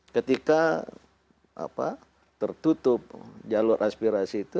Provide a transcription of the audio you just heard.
ketika tertutup jalur aspirasi itu